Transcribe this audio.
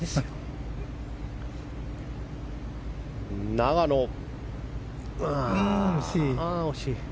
永野、惜しい。